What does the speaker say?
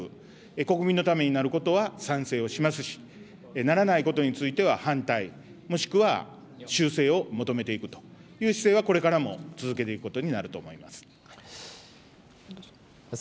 国民のためになることは賛成をしますし、ならないことについては反対、もしくは修正を求めていくという姿勢は、これからも続けていくことになると思います。